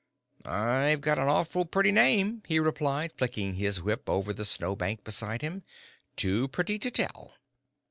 "I've got an awful pretty name," he replied, flicking his whip over the snow bank beside him, "too pretty to tell."